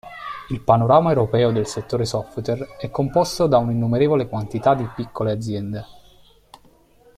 Il panorama europeo del settore software è composto da un'innumerevole quantità di piccole aziende.